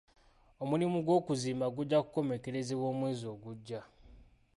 Omulimu gw'okuzimba gujja kukomekerezebwa omwezi ogujja.